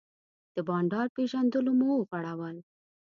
د بانډار پیژلونه مو وغوړول.